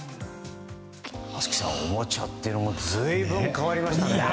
松木さん、おもちゃも随分変わりましたよね。